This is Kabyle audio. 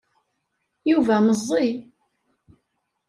Yuba meẓẓi.